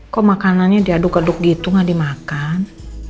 kok makanannya diaduk aduk gitu gak dimakan